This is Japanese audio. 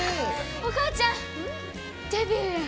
お母ちゃんデビューや。